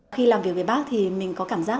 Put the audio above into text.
khi làm việc với bác thì mình có cảm giác